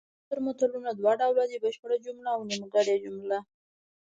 منثور متلونه دوه ډوله دي بشپړه جمله او نیمګړې جمله